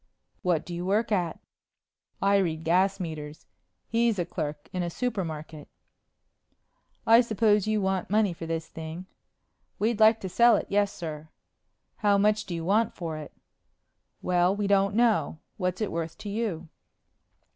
"What do you work at?" "I read gas meters. He's a clerk in a supermarket." "I suppose you want money for this thing." "We'd like to sell it, yes, sir." "How much do you want for it?" "Well, we don't know. What's it worth to you?"